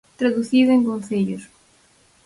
Traducido en concellos.